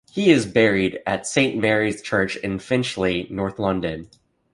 He is buried at Saint Mary's church in Finchley, north London.